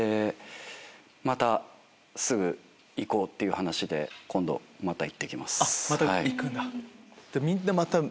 またすぐ行こうっていう話で今度また行って来ます。